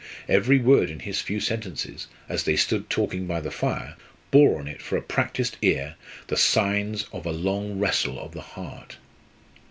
Every word in his few sentences, as they stood talking by the fire, bore on it for a practised ear the signs of a long wrestle of the heart.